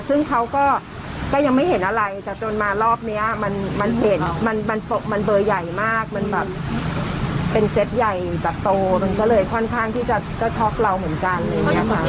ซึ่งเขาก็ยังไม่เห็นอะไรแต่จนมารอบนี้มันเห็นมันเบอร์ใหญ่มากมันแบบเป็นเซตใหญ่แบบโตมันก็เลยค่อนข้างที่จะก็ช็อกเราเหมือนกันอะไรอย่างนี้ค่ะ